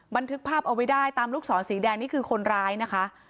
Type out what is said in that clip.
บันทึกภาพเอาไว้ได้ตามลูกศรสีแดงนี่คือคนร้ายนะคะ